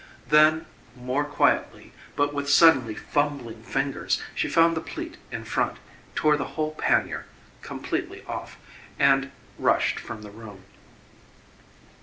Then more quietly but with suddenly fumbling fingers she found the pleat in front, tore the whole pannier completely off, and rushed from the room.